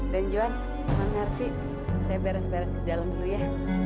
dan juhan non mercy saya beres beres di dalam dulu ya